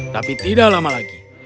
tapi tidak lama lagi